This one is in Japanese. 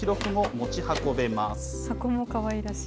箱もかわいらしい。